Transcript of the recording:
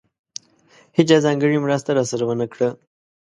هېچا ځانګړې مرسته راسره ونه کړه.